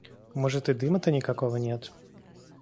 Может, и дыма-то никакого нет.